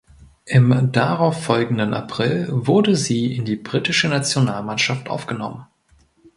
Im darauffolgenden April wurde sie in die britische Nationalmannschaft aufgenommen.